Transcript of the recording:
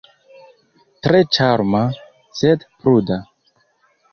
Tre ĉarma, sed pruda.